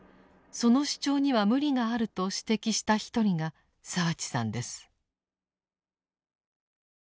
その主張には無理があると指摘した一人が澤地さんです。